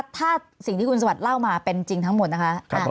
ถ้าสิ่งที่คุณสวัสดิ์เล่ามาเป็นจริงทั้งหมดนะคะ